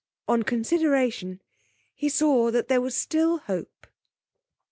On consideration he saw that there was still hope.